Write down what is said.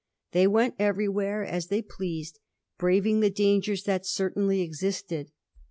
They went everywhere as they pleased, braving the dangers that certainly existed.